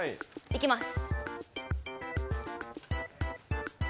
いきます。